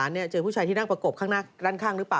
ด้วยรถตู้โดยสารเจอผู้ชายที่นั่งประกบข้างหน้าด้านข้างหรือเปล่า